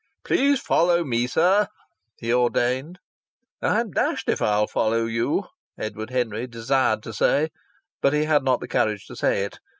"Please follow me, sir," he ordained. "I'm dashed if I'll follow you!" Edward Henry desired to say, but he had not the courage to say it.